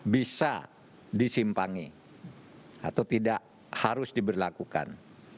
bisa disimpangi atau tidak harus diberlakukan